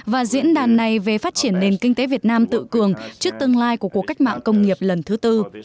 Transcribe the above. và diễn đàn này về phát triển nền kinh tế việt nam tự cường trước tương lai của cuộc cách mạng công nghiệp lần thứ tư